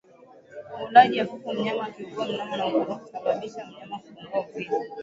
Ulaji hafifu mnyama akiugua ugonjwa wa ukurutu husababisa mnyama kupungua uzito